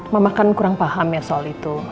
mama kan kurang paham ya soal itu